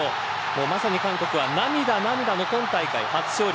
まさに韓国は涙、涙の今大会、初勝利。